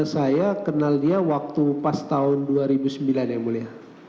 saya kenal dia waktu pas tahun dua ribu sembilan ya mulia